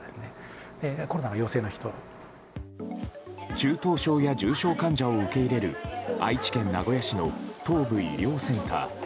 中等症や重症患者を受け入れる愛知県名古屋市の東部医療センター。